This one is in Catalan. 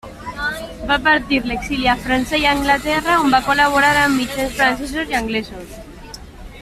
Va patir l'exili a França i Anglaterra, on va col·laborar amb mitjans francesos i anglesos.